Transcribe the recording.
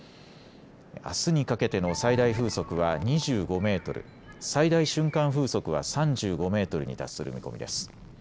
あすにかけての最大風速は２５メートル、最大瞬間風速は３５メートルに達する見込みです。